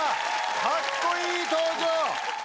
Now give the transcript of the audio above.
かっこいい登場。